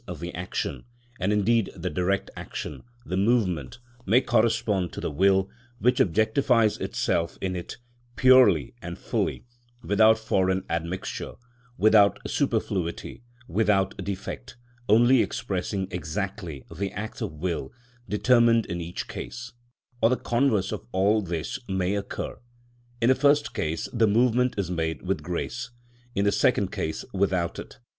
_, the action, and indeed the direct action, the movement, may correspond to the will, which objectifies itself in it, purely and fully without foreign admixture, without superfluity, without defect, only expressing exactly the act of will determined in each case;—or the converse of all this may occur. In the first case the movement is made with grace, in the second case without it.